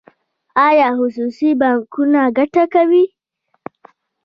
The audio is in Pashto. آیا خصوصي بانکونه ګټه کوي؟